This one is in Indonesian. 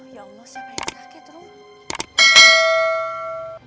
ya allah siapa yang sakit rumi